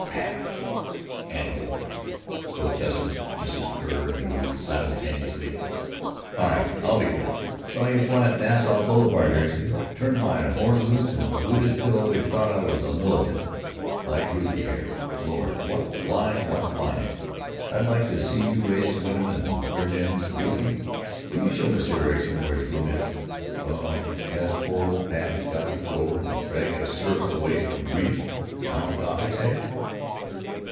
"Pat!" "Animal!" ——protested Mrs. Kerr and Ruth, simultaneously. "All right. I'll be good. Saw you fly at Nassau Boulevard, Ericson. Turned my horn loose and hooted till they thought I was a militant, like Ruthie here. Lord! what flying, what flying! I'd like to see you race Weymann and Vedrines.... Ruthie, will you show Mr. Ericson where his room is, or has poor old Pat got to go and drag a servant away from reading Town Topics, heh?"